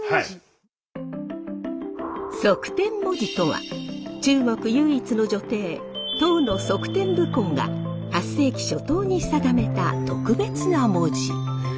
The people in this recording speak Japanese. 則天文字とは中国唯一の女帝唐の則天武后が８世紀初頭に定めた特別な文字。